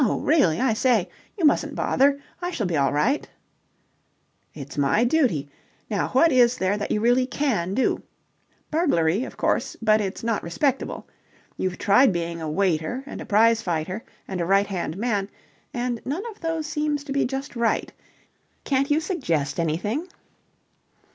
"No, really, I say, you mustn't bother. I shall be all right." "It's my duty. Now what is there that you really can do? Burglary, of course, but it's not respectable. You've tried being a waiter and a prize fighter and a right hand man, and none of those seems to be just right. Can't you suggest anything?"